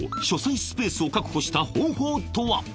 書斎スペースを確保した方法とは？